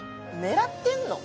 狙ってんの？